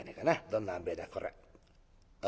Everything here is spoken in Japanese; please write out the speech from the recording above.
どんなあんべえだこれ。